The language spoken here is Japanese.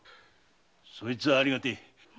そいつはありがてえ。